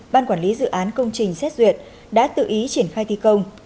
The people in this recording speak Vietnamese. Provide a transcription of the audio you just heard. ban quản lý dự án công trình xét duyệt đã tự ý triển khai thi công